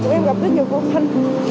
chúng em gặp rất nhiều vô văn